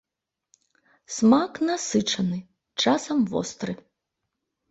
Смак насычаны, часам востры.